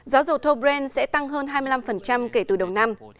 giá dầu thobren sẽ tăng hơn hai mươi năm kể từ đầu năm